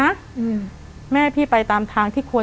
แต่ขอให้เรียนจบปริญญาตรีก่อน